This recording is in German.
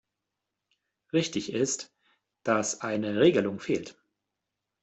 Richtig ist, dass eine Regelung fehlt.